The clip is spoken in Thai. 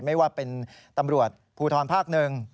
ไม่ว่าเป็นตำรวจภูทรภาคหนึ่ง